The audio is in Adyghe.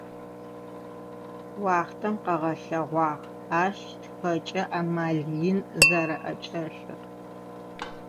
Уахътэм къыгъэлъэгъуагъ ащ тхэкӏэ амал ин зэрэӏэкӏэлъыр.